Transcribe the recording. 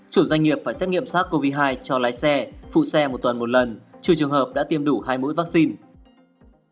chủ doanh nghiệp phải xét nghiệm sars cov hai cho lái xe phụ xe một tuần một lần trừ trường hợp đã tiêm đủ hai mũi vaccine